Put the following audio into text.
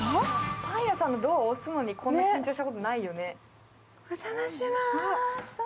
パン屋さんのドアを押すのに、こんな緊張したことないよね。